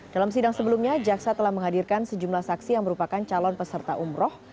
dalam sidang sebelumnya jaksa telah menghadirkan sejumlah saksi yang merupakan calon peserta umroh